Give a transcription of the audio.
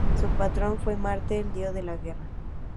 Su patrono fue Marte, el dios de la guerra.